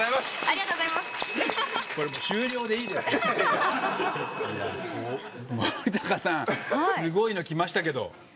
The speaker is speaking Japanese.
すごいのきましたけど。